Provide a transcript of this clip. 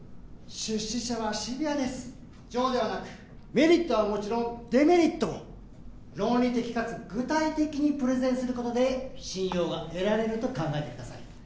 出資者はシビアです情ではなくメリットはもちろんデメリットも論理的かつ具体的にプレゼンすることで信用が得られると考えてください